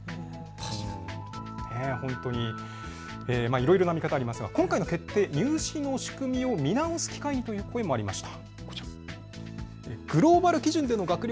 いろいろな見方がありますが今回の決定、入試の仕組みを見直す機会という声もありました。